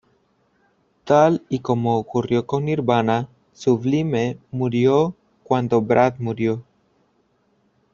Tal y como ocurrió con Nirvana, Sublime murió cuando Brad murió.